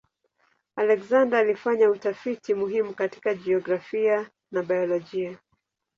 Alexander alifanya utafiti muhimu katika jiografia na biolojia.